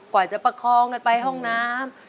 ก่อนจะประเคาะกันไปห้องน้ำ